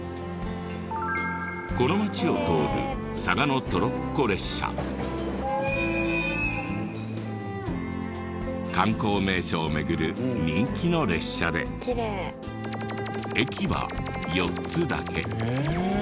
この町を通る観光名所を巡る人気の列車で駅は４つだけ。